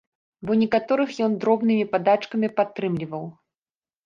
Бо некаторых ён дробнымі падачкамі падтрымліваў.